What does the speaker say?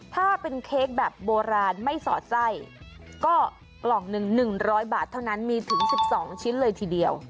ถ้าเป็นเค้กแบบโบราณไม่สอดไส้ก็กล่องหนึ่ง๑๐๐บาทเท่านั้นมีถึง๑๒ชิ้นเลยทีเดียว